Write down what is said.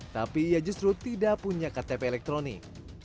tapi ia justru tidak punya ktp elektronik